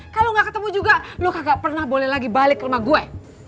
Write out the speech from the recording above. kalo gak ketemu juga lo kagak pernah boleh lagi balik ke rumah gue